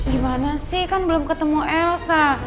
gimana sih kan belum ketemu elsa